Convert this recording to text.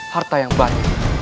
harta yang baik